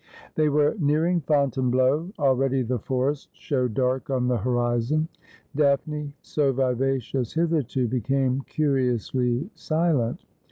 They were nearing Fontainebleau ; already the forest showed dark on the horizon. Daphne, so vivacious hitherto, became curiously silent.